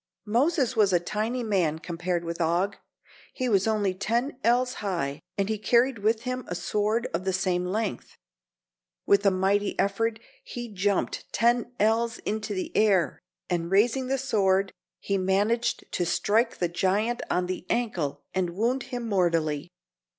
Moses was a tiny man compared with Og. He was only ten ells high, and he carried with him a sword of the same length. With a mighty effort he jumped ten ells into the air, and raising the sword, he managed to strike the giant on the ankle and wound him mortally.